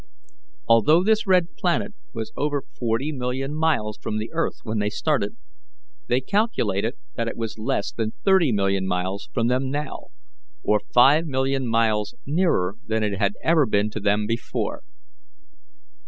Although this red planet was over forty million miles from the earth when they started, they calculated that it was less than thirty million miles from them now, or five millions nearer than it had ever been to them before.